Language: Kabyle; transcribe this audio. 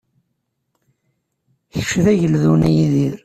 Kečč d ageldun, a Yidir.